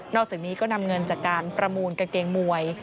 อกจากนี้ก็นำเงินจากการประมูลกางเกงมวย